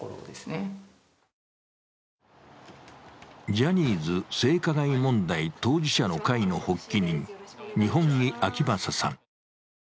ジャニーズ性加害問題当事者の会の発起人、二本樹顕理さん。